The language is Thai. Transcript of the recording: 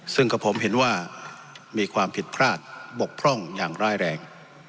ซึ่งกับผมเห็นว่ามีความผิดพลาดบกพร่องอย่างร้ายแรง